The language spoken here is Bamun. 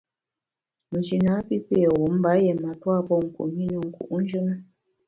Nji napi pé wum mba yié matua pé kum i ne nku’njù na.